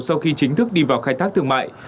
sau khi chính thức đi vào khai thác thương mại